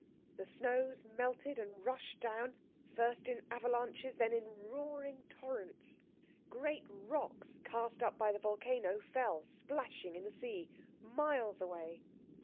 The snows melted and rushed down, first in avalanches, then in roaring torrents. Great rocks cast up by the volcano fell splashing in the sea miles away.